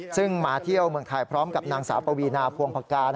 ซึ่งมาเที่ยวเมืองไทยพร้อมกับนางสาวปวีนาพวงพกา